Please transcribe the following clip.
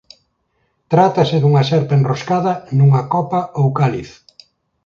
Trátase dunha serpe enroscada nunha copa ou cáliz.